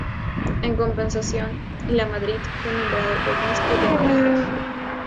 En compensación, Lamadrid fue nombrado Obispo de Badajoz.